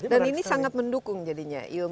dan ini sangat mendukung jadinya ilmu